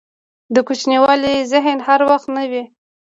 دکوچنیوالي ذهن هر وخت نه وي.